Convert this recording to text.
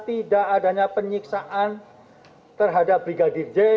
tidak adanya penyiksaan terhadap brigadir j